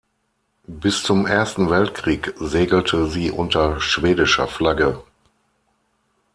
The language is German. Bis zum Ersten Weltkrieg segelte sie unter schwedischer Flagge.